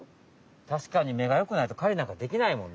たしかに目がよくないと狩りなんかできないもんね。